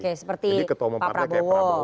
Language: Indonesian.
oke seperti pak prabowo